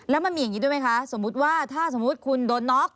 แล้วมันมีอย่างนี้ด้วยไหมคะสมมุติว่าถ้าสมมุติคุณโดนน็อก